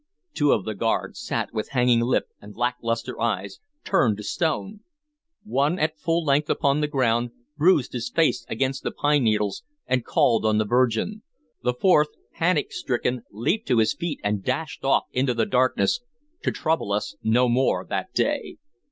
Two of the guard sat with hanging lip and lacklustre eyes, turned to stone; one, at full length upon the ground, bruised his face against the pine needles and called on the Virgin; the fourth, panic stricken, leaped to his feet and dashed off into the darkness, to trouble us no more that day.